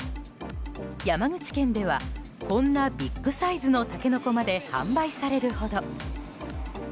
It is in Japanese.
山口県ではこんなビッグサイズのタケノコまで販売されるほど。